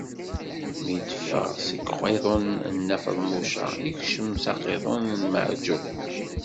Mi d-iffeɣ seg uqiḍun n Nna Feḍmuca, ikcem s aqiḍun n Meɛǧuṭa.